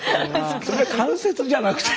それは関節じゃなくて。